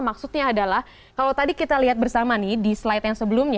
maksudnya adalah kalau tadi kita lihat bersama nih di slide yang sebelumnya